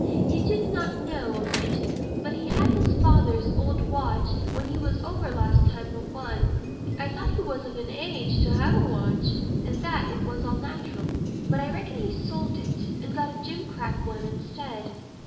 You did not know of it, but he had his father's old watch when he was over last time but one; I thought he was of an age to have a watch, and that it was all natural. But, I reckon he's sold it, and got that gimcrack one instead.